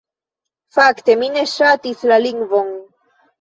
Fakte, mi ne ŝatis la lingvon.